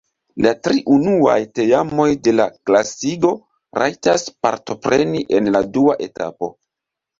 La tri unuaj teamoj de la klasigo rajtas partopreni en la dua etapo.